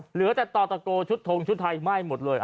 เหลือแต่ต่อตะโกชุดทงชุดไทยไหม้หมดเลย